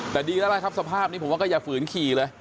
แต่ดีแล้วล่ะครับสภาพนี้ผมว่าก็อย่าฝืนขี่เลย